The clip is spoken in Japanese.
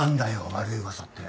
悪い噂って。